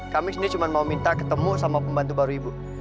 kami sendiri cuma mau minta ketemu sama pembantu baru ibu